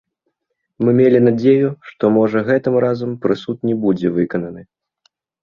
Мы мелі надзею, што, можа, гэтым разам прысуд не будзе выкананы.